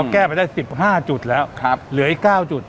เราแก้ไปได้สิบห้าจุดแล้วครับเหลืออีกเก้าจุด